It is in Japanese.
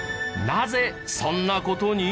なぜそんな事に？